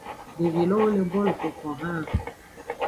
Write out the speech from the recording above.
Devi lowo le bolu xoko haan.